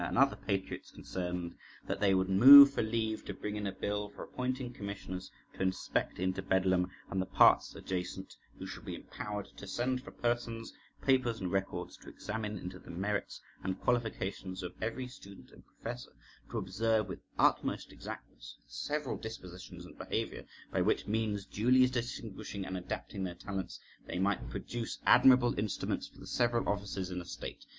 and other patriots concerned, that they would move for leave to bring in a Bill for appointing commissioners to inspect into Bedlam and the parts adjacent, who shall be empowered to send for persons, papers, and records, to examine into the merits and qualifications of every student and professor, to observe with utmost exactness their several dispositions and behaviour, by which means, duly distinguishing and adapting their talents, they might produce admirable instruments for the several offices in a state